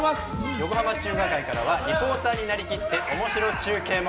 横浜中華街からリポーターになりきって、おもしろ中継も。